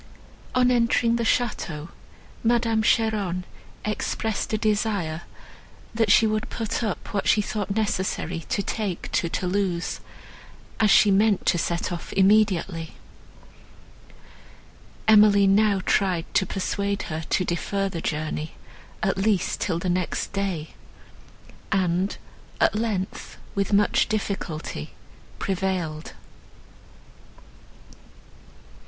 On entering the château, Madame Cheron expressed a desire, that she would put up what she thought necessary to take to Thoulouse, as she meant to set off immediately. Emily now tried to persuade her to defer the journey, at least till the next day, and, at length, with much difficulty, prevailed.